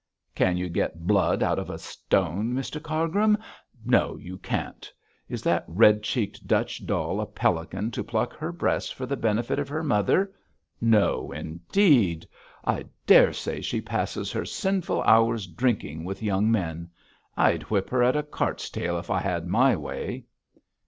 'Can you get blood out of a stone, Mr Cargrim? No, you can't. Is that red cheeked Dutch doll a pelican to pluck her breast for the benefit of her mother? No, indeed! I daresay she passes her sinful hours drinking with young men. I'd whip her at a cart's tail if I had my way.'